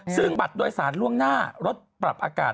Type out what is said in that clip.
ซึ่งบัตรโดยสารล่วงหน้ารถปรับอากาศ